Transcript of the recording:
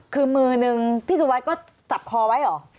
คือมือนึงพี่สุวัสดิก็จับคอไว้เหรอ